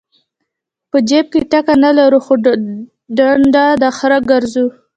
په جیب کې ټکه نه لرو خو ډنډه د خره ګرځو.